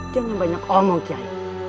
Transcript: jangan banyak omong kiai